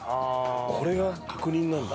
これが確認なんだ。